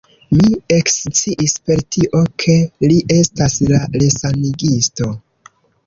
Mi eksciis per tio, ke li estas la resanigisto.